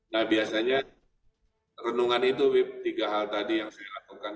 nah biasanya renungan itu tiga hal tadi yang saya lakukan